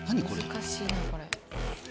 難しいなこれ。